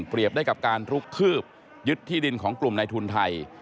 ได้กับการลุกคืบยึดที่ดินของกลุ่มในทุนไทย